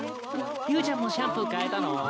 竜ちゃんもシャンプー替えたの？